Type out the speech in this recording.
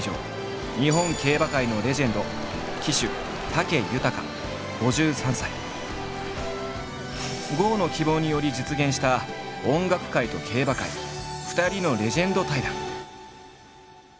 日本競馬界のレジェンド郷の希望により実現した音楽界と競馬界２人のレジェンド対談。